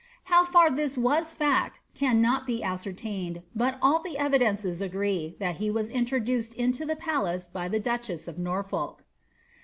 "' How fu this was fact cannot be ascertained, but all the evidences agree, that he wu introduced into the palace by the duchess of Norfolk.